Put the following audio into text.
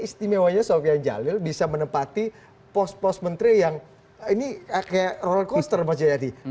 istimewanya sofyan jalil bisa menempati pos pos menteri yang ini kayak rollercoaster menjadi